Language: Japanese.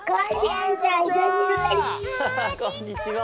こんにちは。